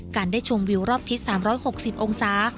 การได้ชมวิวรอบทิศ๓๖๐องศา